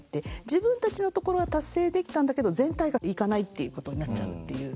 自分たちのところは達成できたんだけど全体がいかないっていうことになっちゃうっていう。